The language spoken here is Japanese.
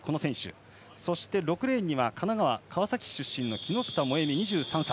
そして６レーンには神奈川川崎市出身の木下萌実、２３歳。